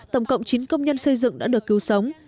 tổng cộng chín công nhân xây dựng đã được cứu sống